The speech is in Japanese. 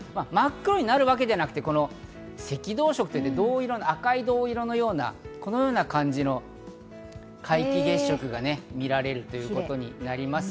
真っ黒になるわけではなくて、赤銅色といって銅色、色赤い銅色のような感じの皆既月食が見られるということになります。